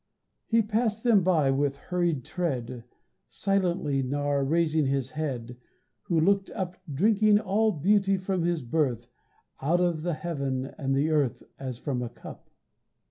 He passed them by with hurried tread Silently, nor raised his head, He who looked up Drinking all beauty from his birth Out of the heaven and the earth As from a cup.